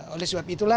oleh sebab itulah